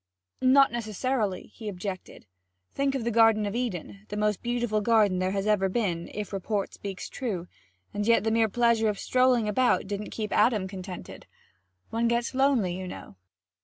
'Not necessarily,' he objected. 'Think of the Garden of Eden the most beautiful garden there has ever been, if report speaks true and yet the mere pleasure of strolling about didn't keep Adam contented. One gets lonely, you know.'